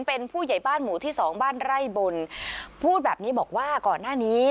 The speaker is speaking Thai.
เป็นผู้ใหญ่บ้านหมู่ที่สองบ้านไร่บนพูดแบบนี้บอกว่าก่อนหน้านี้